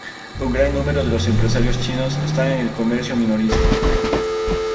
Un gran número de los empresarios chinos están en el comercio minorista.